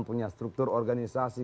punya struktur organisasi